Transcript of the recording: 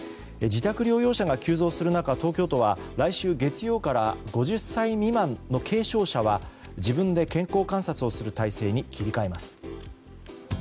自宅療養者が急増する中東京都は来週月曜から５０歳未満の軽症者は自分で健康観察をする体制に切り替えます。